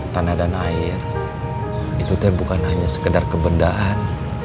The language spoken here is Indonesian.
tanah dan air itu bukan hanya sekedar kebendaan